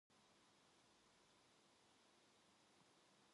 자기의 마음을 믿는 자는 미련한 자요 지혜롭게 행하는 자는 구원을 얻을 자니라